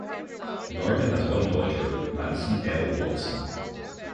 Norman has one daughter, Madison Elle Watson.